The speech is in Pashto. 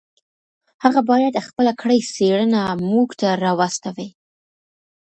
هغه باید خپله کړې څېړنه موږ ته راواستوي.